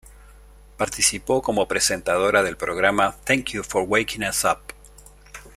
Participó como presentadora del programa "Thank You for Waking Us Up!